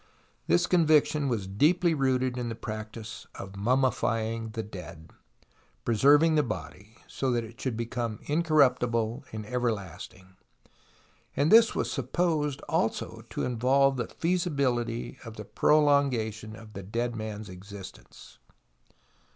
This conviction was deeply rooted in the practice of mummifying the dead, preserving the body so that it should become incorruptible and everlasting ; and this was supposed also to involve the feasibility of the prolongation of the dead man's existence.